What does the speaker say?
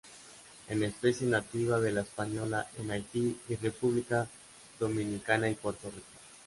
Es especie nativa de La Española en Haiti y República Dominicana y Puerto Rico.